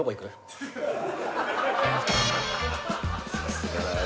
さすがだよ